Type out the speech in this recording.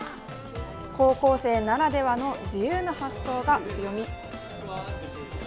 高校生ならではの自由な発想が強み。